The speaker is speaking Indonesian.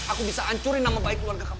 aku bisa ancurin nama baik keluarga kamu